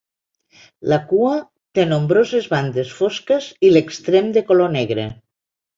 La cua té nombroses bandes fosques i l'extrem de color negre.